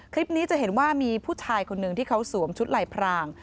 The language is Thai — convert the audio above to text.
คลิปนี้จะเห็นว่ามีผู้ชายคนหนึ่งที่เขาสวมชุดลายพราง